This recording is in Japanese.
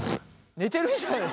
寝てるんじゃないの？